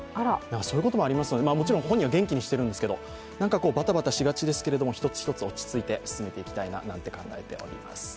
そういうこともありますので、もちろん本人は元気にしてますけどバタバタしがちですけれど、一つ一つ落ち着いて進めていきたいななんて考えております。